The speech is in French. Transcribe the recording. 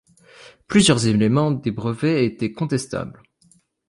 Plusieurs éléments des brevets étaient contestables.